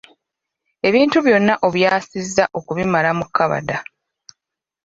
Ebintu byonna obyasizza okubimala mu kkabada.